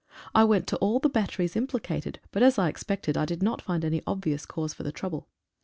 I went to all the batteries impli cated, but as I expected, I did not find any obvious cause for the trouble.